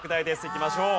いきましょう。